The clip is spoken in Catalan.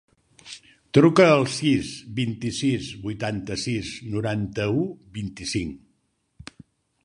Truca al sis, vint-i-sis, vuitanta-sis, noranta-u, vint-i-cinc.